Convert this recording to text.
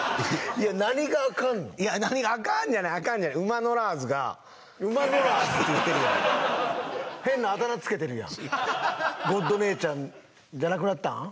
いや「何があかん」じゃないあかんじゃない「馬乗らーず」って言ってるやん変なあだ名つけてるやんゴッド姉ちゃんじゃなくなったん？